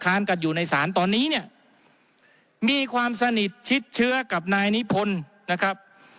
กันอยู่ในศาลตอนนี้เนี่ยมีความสนิทชิดเชื้อกับนายนิพนธ์นะครับ